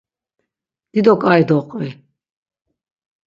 Dido ǩai doqvi.